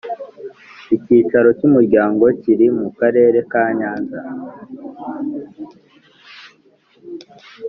Icyicaro cy Umuryango kiri mu karere ka Nyanza